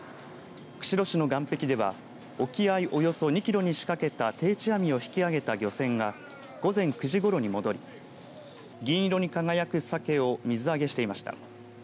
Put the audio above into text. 釧路市の岸壁では沖合およそ２キロに仕掛けた定置網を引き上げた漁船が午前９時ごろに戻り銀色に輝くさけを水揚げしていました。